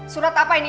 surat apa ini